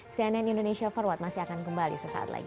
cnn indonesia forward masih akan kembali sesaat lagi